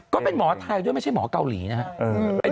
ก็เป็นหมอไทยด้วยไม่ใช่หมอเกาหลีนะครับ